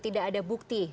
tidak ada bukti